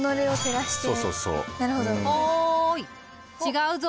おい違うぞ。